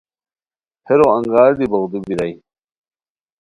پھیرو انگار دی بوغدو بیرائے